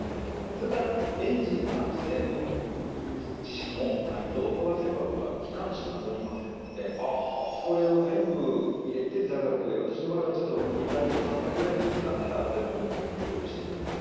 それから、エンジンに関しての知識もないと、小型船舶は機関士は乗りませんので、それを全部入れて座学で、私の場合はちょっと、２倍以上、３倍ぐらいの時間があったように記憶しています。